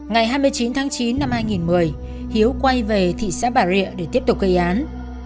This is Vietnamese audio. ngày hai mươi chín tháng chín năm hai nghìn một mươi hiếu quay về thị xã bà rịa để tiếp tục gây án